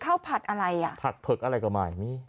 ข้าวผัดอะไรอ่ะผัดเผ็กอะไรกว่าหมาย